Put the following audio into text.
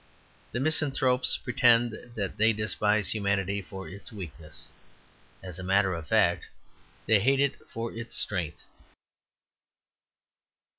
The misanthropes pretend that they despise humanity for its weakness. As a matter of fact, they hate it for its strength.